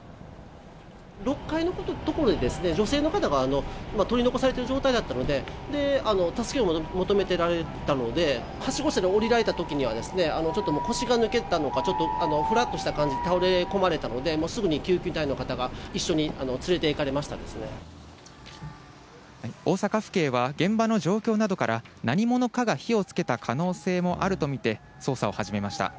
６階の所でですね、女性の方が取り残されている状態だったので、助けを求めてられたので、はしご車で降りられたときには、ちょっと腰が抜けてたのか、ちょっとふらっとした感じで、倒れ込まれたので、もうすぐに救急隊員の方が一緒に連れていかれ大阪府警は、現場の状況などから何者かが火をつけた可能性もあると見て、捜査を始めました。